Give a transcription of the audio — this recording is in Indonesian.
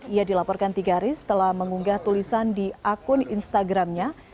ia dilaporkan tiga hari setelah mengunggah tulisan di akun instagramnya